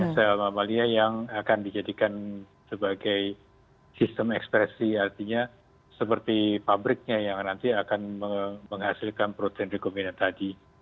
sel mamalia yang akan dijadikan sebagai sistem ekspresi artinya seperti pabriknya yang nanti akan menghasilkan protein rekombinan tadi